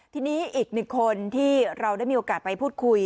ทีนี้อีกหนึ่งคนที่เราได้มีโอกาสไปพูดคุย